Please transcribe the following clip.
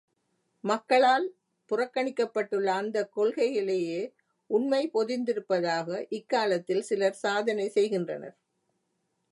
மக்களால் புறக்கணிக்கப்பட்டுள்ள அந்தக் கொள்கைகளிலேயே உண்மை பொதிந்திருப்பதாக இக்காலத்தில் சிலர் சாதனை செய்கின்றனர்.